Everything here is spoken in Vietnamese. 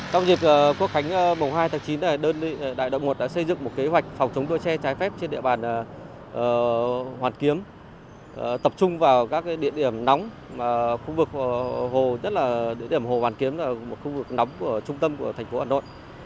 trong dịp quốc khánh bầu hai tháng chín đại đội một đã xây dựng một kế hoạch phòng chống đua xe trái phép trên địa bàn hoàn kiếm tập trung vào các địa điểm nóng khu vực hồ hoàn kiếm là một khu vực nóng của trung tâm của thành phố hà nội